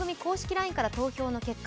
ＬＩＮＥから投票の結果